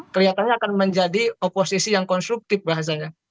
kelihatannya akan menjadi oposisi yang konstruktif bahasanya